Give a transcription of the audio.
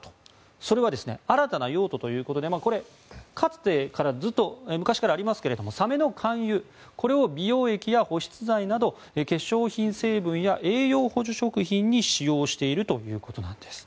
それは、新たな用途ということでこれ、かつてからずっとありますがサメの肝油これを美容液や保湿剤など化粧品成分や栄養補助食品に使用しているということなんです。